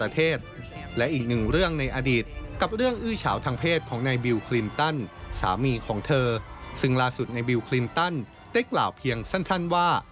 แต่ในบิลคลินตันเต็กล่าวเพียงสั้นว่า